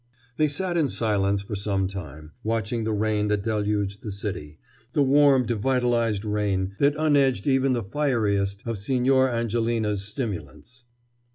They sat in silence for some time, watching the rain that deluged the city, the warm devitalizing rain that unedged even the fieriest of Signor Angelinas stimulants.